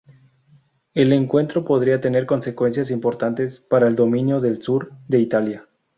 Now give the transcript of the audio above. El encuentro podía tener consecuencias importantes para el dominio del Sur de Italia.